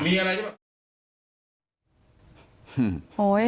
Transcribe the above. มีอะไรหรือเปล่า